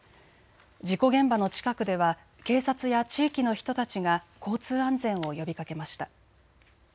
事故現場の近くでは警察や地域の人たちが交通安全を呼びかけました。